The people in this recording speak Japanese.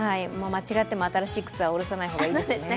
間違っても新しい靴はおろさない方がいいですね。